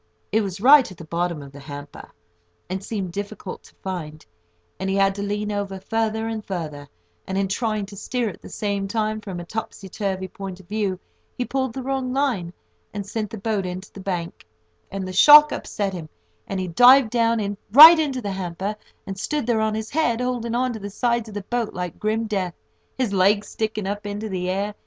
It was right at the bottom of the hamper, and seemed difficult to find, and he had to lean over further and further, and, in trying to steer at the same time, from a topsy turvy point of view, he pulled the wrong line, and sent the boat into the bank, and the shock upset him, and he dived down right into the hamper, and stood there on his head, holding on to the sides of the boat like grim death, his legs sticking up into the air.